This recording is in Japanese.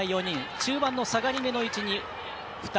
中盤の下がりめの位置に２人。